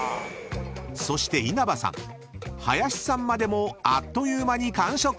［そして稲葉さん林さんまでもあっという間に完食！］